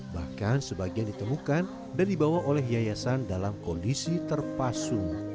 bahkan sebagian ditemukan dan dibawa oleh yayasan dalam kondisi terpasu